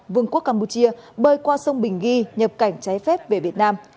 vương quốc campuchia bơi qua sông bình ghi nhập cảnh trái phép về việt nam